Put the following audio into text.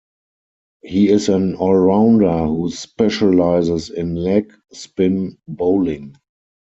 He is an all-rounder who specializes in leg spin bowling.